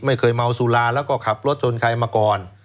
ไม่เคยเมาสุราแล้วก็ขับรถชนใครมาก่อน